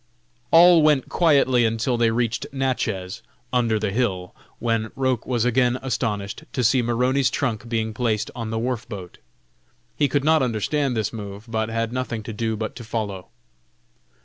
All went quietly until they reached Natchez, "under the hill," when Roch was again astonished to see Maroney's trunk being placed on the wharf boat. He could not understand this move, but had nothing to do but to follow.